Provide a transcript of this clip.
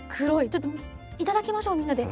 ちょっと頂きましょうみんなで。